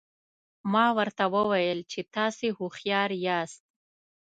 ما ورته وویل چې تاسي هوښیار یاست.